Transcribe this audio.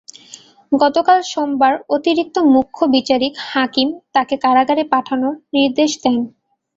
গতকাল সোমবার অতিরিক্ত মুখ্য বিচারিক হাকিম তাঁকে কারাগারে পাঠানোর নির্দেশ দেন।